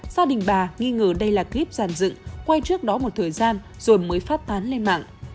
gia đình bà nghi ngờ đây là clip giàn dựng quay trước đó một thời gian rồi mới phát tán lên mạng